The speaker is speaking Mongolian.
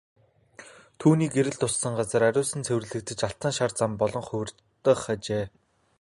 Түүний гэрэл туссан газар ариусан цэвэрлэгдэж алтан шар зам болон хувирах ажээ.